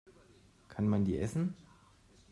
Kann man die essen?